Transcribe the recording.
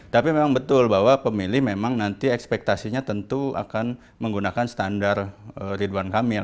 tapi memang betul bahwa pemilih memang nanti ekspektasinya tentu akan menggunakan standar ridwan kamil